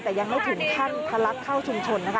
แต่ยังไม่ถึงขั้นทะลักเข้าชุมชนนะคะ